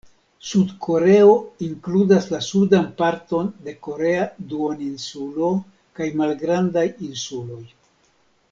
Sud-Koreo inkludas la sudan parton de korea duoninsulo kaj malgrandaj insuloj.